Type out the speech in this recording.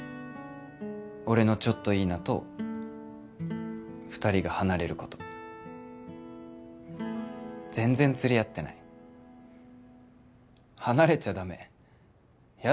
俺のちょっといいなと二人が離れること全然つり合ってない離れちゃダメヤダ